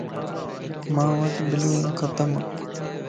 مان وٽ بلوانڪ ختمَ